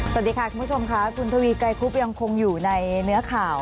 สวัสดีค่ะคุณผู้ชมค่ะคุณทวีไกรคุบยังคงอยู่ในเนื้อข่าว